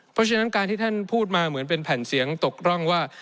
เพราะฉะนั้นการที่ท่านพูดมาเหมือนเป็นแผ่นเสียงตกร่องว่า